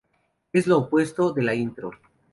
Es lo opuesto de la intro.